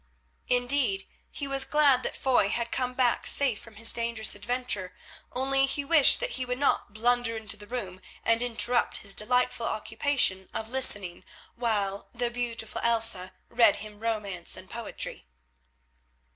Indeed he was glad that Foy had come back safe from his dangerous adventure, only he wished that he would not blunder into the bedroom and interrupt his delightful occupation of listening, while the beautiful Elsa read him romance and poetry.